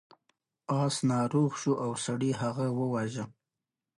اس ناروغ شو او سړي هغه وواژه.